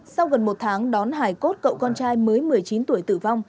sau gần một tháng đón hải cốt cậu con trai mới một mươi chín tuổi tử vong